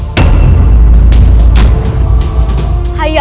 ayahku pendukung rangga bwana